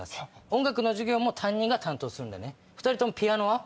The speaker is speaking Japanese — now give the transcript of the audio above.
音楽の授業も担任が担当する２人ともピアノは？